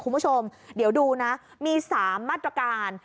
คุณผู้ชมเดี๋ยวดูนะมี๓มาตรการ